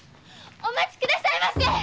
お待ち下さいませ！